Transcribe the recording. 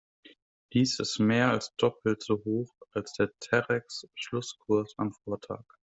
Dies ist mehr als doppelt so hoch als der Terex-Schlusskurs am Vortag.